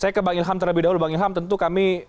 saya ke bang ilham terlebih dahulu bang ilham tentu kami